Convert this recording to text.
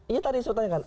ini tadi saya tanyakan